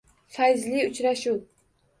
Fayzli uchrashuv